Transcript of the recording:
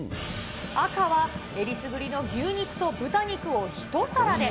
赤はえりすぐりの牛肉と豚肉を一皿で。